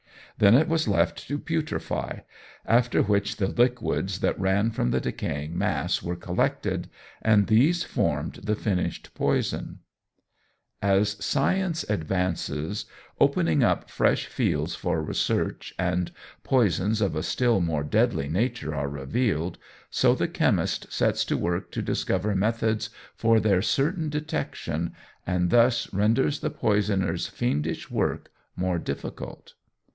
Then it was left to putrefy, after which the liquids that ran from the decaying mass were collected, and these formed the finished poison. As science advances, opening up fresh fields for research and poisons of a still more deadly nature are revealed, so the chemist sets to work to discover methods for their certain detection, and thus renders the poisoners' fiendish work more difficult.